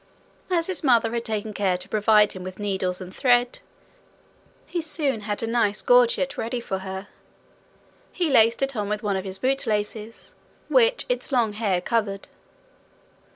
As his mother had taken care to provide him with needles and thread, he soon had a nice gorget ready for her. He laced it on with one of his boot laces, which its long hair covered.